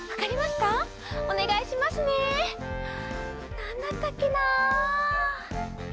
なんだったっけな？